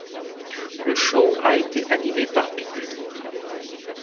Le show a été animé par Pitbull.